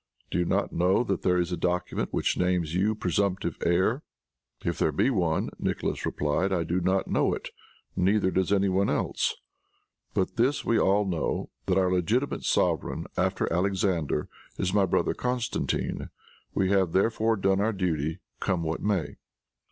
Do you not know that there is a document which names you presumptive heir?" "If there be one," Nicholas replied, "I do not know it, neither does any one else. But this we all know, that our legitimate sovereign, after Alexander, is my brother Constantine. We have therefore done our duty, come what may."